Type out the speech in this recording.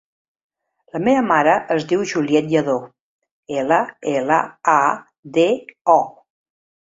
La meva mare es diu Juliette Llado: ela, ela, a, de, o.